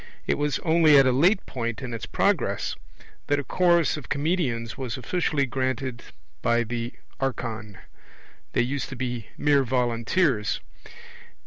It was only at a late point in its progress that a chorus of comedians was officially granted by the archon; they used to be mere volunteers.